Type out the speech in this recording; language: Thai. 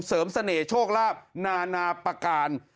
เสริมเสน่ห์โชคลาภนาประกาศ